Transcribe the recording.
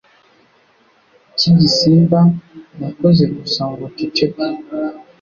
cy'igisimba nakoze gusa ngo nceceke